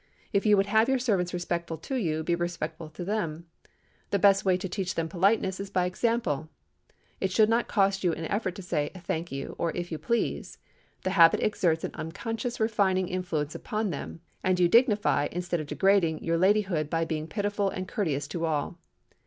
If you would have your servants respectful to you, be respectful to them. The best way to teach them politeness is by example. It should not cost you an effort to say, "Thank you," or "If you please." The habit exerts an unconscious refining influence upon them, and you dignify instead of degrading your ladyhood by being pitiful and courteous to all.